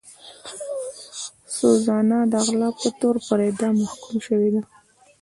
سوزانا د غلا په تور پر اعدام محکومه شوې وه.